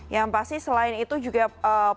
yang pasti selain itu juga